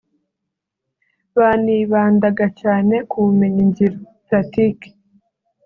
banibandaga cyane ku bumenyi ngiro (Pratique)